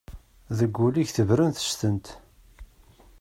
Deg wul-ik tebren testent.